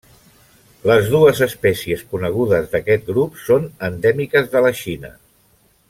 Les dues espècies conegudes d'aquest grup són endèmiques de la Xina.